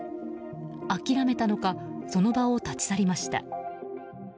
諦めたのかその場を立ち去りました。